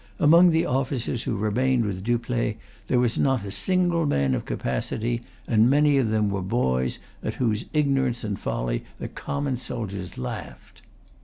Among the officers who remained with Dupleix, there was not a single man of capacity; and many of them were boys, at whose ignorance and folly the common soldiers laughed.